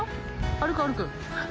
歩く歩く。